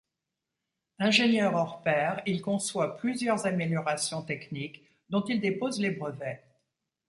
Ingénieur hors pair, il conçoit plusieurs améliorations techniques dont il dépose les brevets.